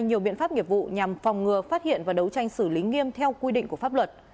nhiều biện pháp nghiệp vụ nhằm phòng ngừa phát hiện và đấu tranh xử lý nghiêm theo quy định của pháp luật